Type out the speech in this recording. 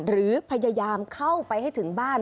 หรือพยายามเข้าไปให้ถึงบ้าน